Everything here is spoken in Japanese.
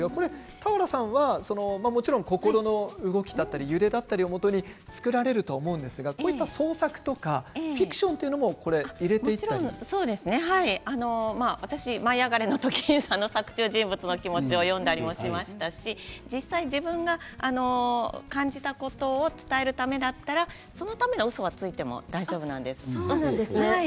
俵さんはもちろん心の動きだったり揺れをもとに作られると思うんですが，創作とかフィクションとかも私は「舞いあがれ！」の時作中人物の気持ちを読んだりもしましたし実際、自分が感じたことを伝えるためだったらそのためのうそはついても大丈夫なんです。